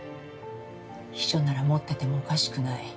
秘書なら持っててもおかしくない。